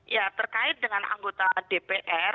ya terkait dengan anggota dpr